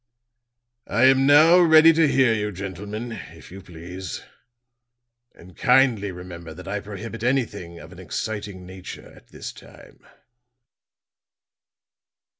"I am now ready to hear you, gentlemen, if you please. And kindly remember that I prohibit anything of an exciting nature at this time."